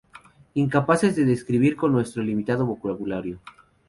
Incapaces de describir con nuestro limitado vocabulario.